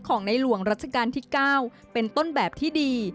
ในหลวงรัชกาลที่๙เป็นต้นแบบที่ดี